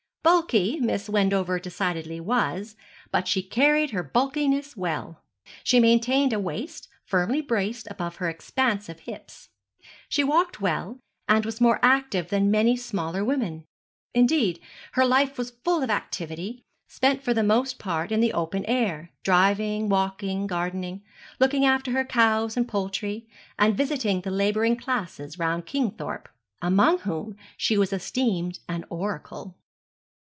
Bulky Miss Wendover decidedly was, but she carried her bulkiness well. She still maintained a waist, firmly braced above her expansive hips. She walked well, and was more active than many smaller women. Indeed, her life was full of activity, spent for the most part in the open air, driving, walking, gardening, looking after her cows and poultry, and visiting the labouring classes round Kingthorpe, among whom she was esteemed an oracle.